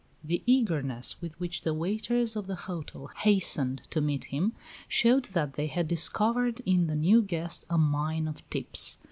The eagerness with which the waiters of the hotel hastened to meet him showed that they had discovered in the new guest a mine of tips.